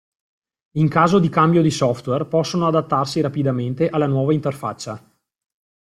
In caso di cambio di software possono adattarsi rapidamente alla nuova interfaccia.